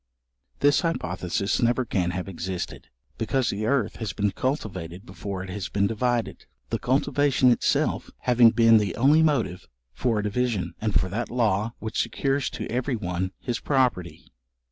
This hypothesis never can have existed, because the earth has been cultivated before it has been divided; the cultivation itself having been the only motive for a division, and for that law which secures to every one his property.